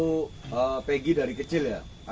mas iblu tahu pgi dari kecil ya